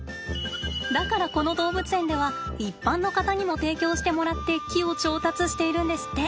だからこの動物園では一般の方にも提供してもらって木を調達しているんですって。